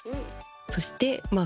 そしてまあ